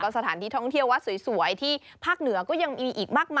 สถานที่ท่องเที่ยววัดสวยที่ภาคเหนือก็ยังมีอีกมากมาย